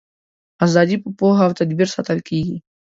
ازادي په پوهه او تدبیر ساتل کیږي.